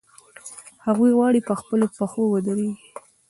هغوی غواړي په خپلو پښو ودرېږي.